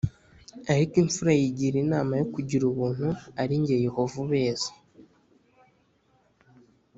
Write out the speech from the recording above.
Ariko imfura yigira inama yo kugira ubuntu ari jye Yehova ubeza